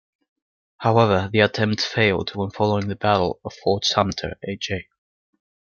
However the attempt failed when following the battle of Fort Sumter, A. J.